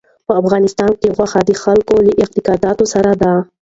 په افغانستان کې غوښې د خلکو له اعتقاداتو سره دي.